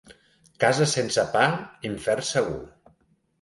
Casa sense pa, infern segur.